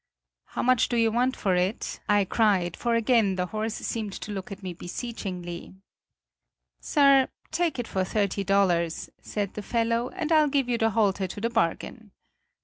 'How much do you want for it?' I cried, for again the horse seemed to look at me beseechingly. "'Sir, take it for thirty dollars,' said the fellow, 'and I'll give you the halter to the bargain.'